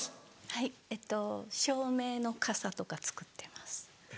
はいえっと照明のカサとか作ってます。